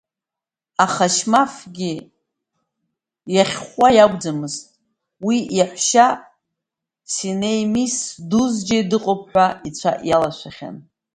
Аха Шьмафгьы иахьхәуа иакәӡамызт, уи иаҳәшьа Синеимис Дузџье дыҟоуп ҳәа ицәа иалашәахьан.